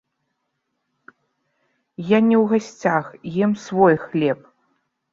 Я не ў гасцях, ем свой хлеб.